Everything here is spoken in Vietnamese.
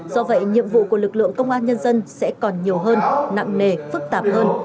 do vậy nhiệm vụ của lực lượng công an nhân dân sẽ còn nhiều hơn nặng nề phức tạp hơn